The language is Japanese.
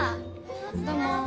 どうも。